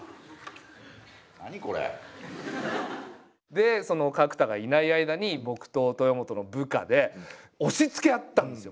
でその角田がいない間に僕と豊本の部下で押しつけ合ったんですよ。